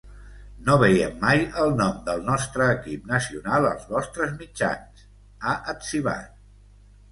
“No veiem mai el nom del nostre equip nacional als vostres mitjans”, ha etzibat.